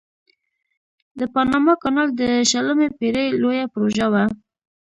د پاناما کانال د شلمې پیړۍ لویه پروژه وه.